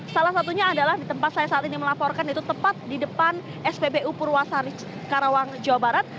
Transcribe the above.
salah satunya adalah di tempat saya saat ini melaporkan itu tepat di depan spbu purwasari karawang jawa barat